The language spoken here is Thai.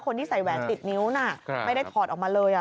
คนที่ใส่แหวนติดนิ้วน่ะไม่ได้ถอดออกมาเลย